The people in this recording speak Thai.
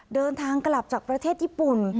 เดินทางกลับจากประเทศญี่ปุ่น